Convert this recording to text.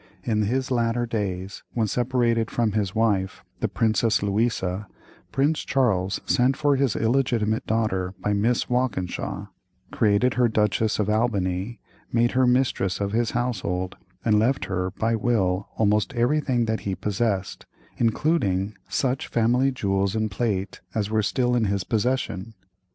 In his latter days, when separated from his wife, the Princess Louisa, Prince Charles sent for his illegitimate daughter by Miss Walkinshaw; created her Duchess of Albany, made her mistress of his household, and left her by will almost everything that he possessed, including such family jewels and plate as were still in his possession.